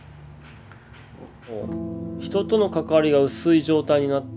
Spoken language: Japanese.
人との関わりが薄い状態になっている。